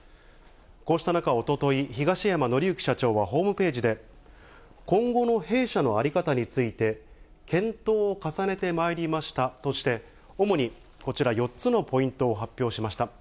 こうした中、おととい東山紀之社長はホームページで、今後の弊社の在り方について、検討を重ねてまいりましたとして、主にこちら、４つのポイントを発表しました。